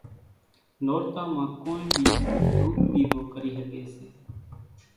نورتان مان ڪونئين ٻي ڌُوپ ۮيوو ڪري ۿڳي سي